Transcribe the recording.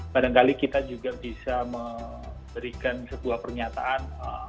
kadang kadang kita juga bisa memberikan sebuah pernyataan